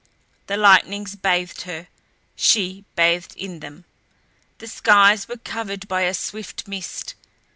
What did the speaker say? The lightnings bathed her she bathed in them. The skies were covered by a swift mist.